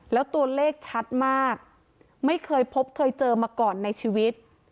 แล้วตัวเลขชัดมากไม่เคยพบเคยเจอมาก่อนในชีวิต